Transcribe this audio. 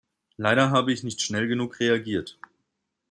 Leider habe ich nicht schnell genug reagiert.